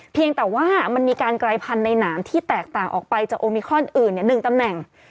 เพียงแต่ว่ามันมีการกลายพันธุ์ในหนามที่แตกต่างออกไปจากโอมิคอนอื่น๑ตำแหน่ง